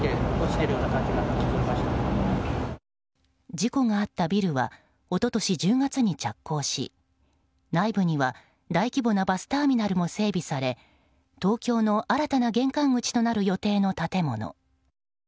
事故があったビルは一昨年１０月に着工し内部には大規模なバスターミナルも整備され東京の新たな玄関口となる予定の建物。